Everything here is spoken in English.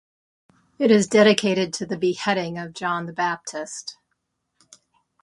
It is dedicated to the Beheading of John the Baptist.